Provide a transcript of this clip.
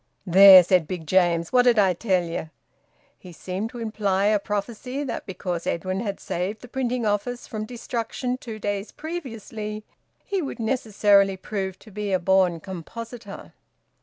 "There!" said Big James. "What did I tell ye?" He seemed to imply a prophecy that, because Edwin had saved the printing office from destruction two days previously, he would necessarily prove to be a born compositor.